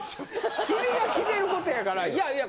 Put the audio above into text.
君が決めることやからいやいや